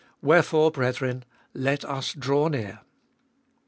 Wherefore, brethren, let us draw near.